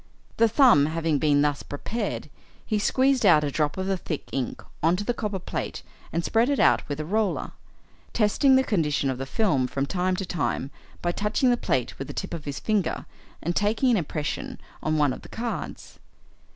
The thumb having been thus prepared, he squeezed out a drop of the thick ink on to the copper plate and spread it out with the roller, testing the condition of the film from time to time by touching the plate with the tip of his finger and taking an impression on one of the cards.